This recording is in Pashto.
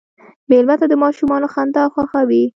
مېلمه ته د ماشومانو خندا خوښوي.